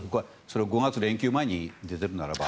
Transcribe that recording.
５月連休前に出ているならば。